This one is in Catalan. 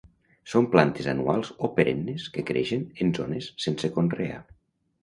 Són plantes anuals o perennes que creixen en zones sense conrear.